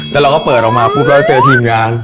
แล้วเราก็เปิดออกมาปุ๊บแล้วเจอทีมงาน